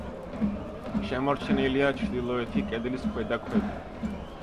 შემორჩენილია ჩრდილოეთი კედლის ქვედა ქვები.